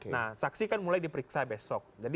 nah saksi kan mulai diperiksa besok